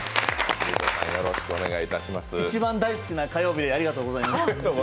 一番大好きな火曜日ありがとうございます。